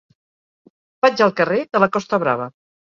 Vaig al carrer de la Costa Brava.